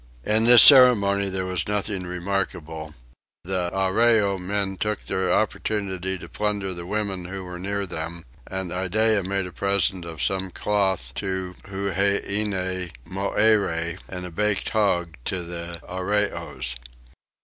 In this ceremony there was nothing remarkable: the Arreoy men took their opportunity to plunder the women who were near them, and Iddeah made a present of some cloth to Huheine Moyere, and a baked hog to the Arreoys.